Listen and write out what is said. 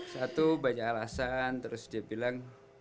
satu banyak alasan terus dia bilang